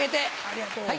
ありがとう。